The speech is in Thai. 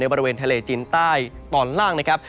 บริเวณทะเลจีนใต้ตอนล่างนะครับ